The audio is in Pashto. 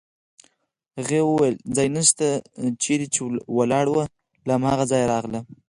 هغې وویل: ځای نشته، چېرې چې ولاړه وه له هماغه ځایه راغله.